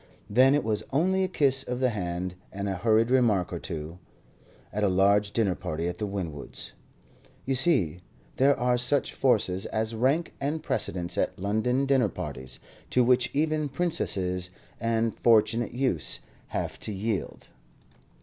Then it was only a kiss of the hand and a hurried remark or two, at a large dinner party at the Winwoods'. You see, there are such forces as rank and precedence at London dinner parties, to which even princesses and fortunate youths have to yield.